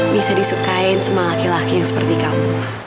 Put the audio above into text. bisa disukain sama laki laki yang seperti kamu